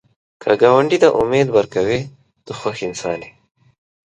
که ګاونډي ته امید ورکوې، ته خوښ انسان یې